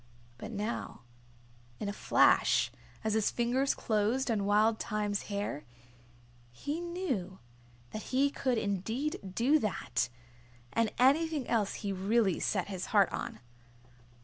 But now, in a flash, as his fingers closed on Wild Thyme's hair, he knew that he could indeed do that, and anything else he really set his heart on.